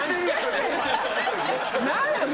何やねん！